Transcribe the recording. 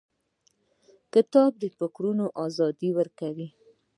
کتاب د فکرونو ازادي ورکوي.